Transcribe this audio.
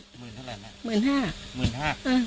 ๑๐๐๐๐เท่าไหร่แม่